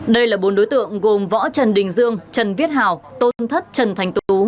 đây là bốn đối tượng gồm võ trần đình dương trần viết hào tôn thất trần thành tú